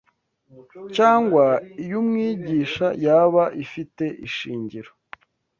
cyangwa iy’umwigisha yaba ifite ishingiro